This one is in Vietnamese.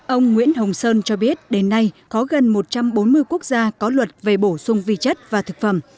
ông nguyễn hồng sơn cho biết đến nay có gần một trăm bốn mươi quốc gia có luật về bổ sung vi chất và thực phẩm